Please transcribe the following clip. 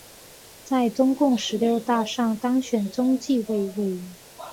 在中共十六大上当选中纪委委员。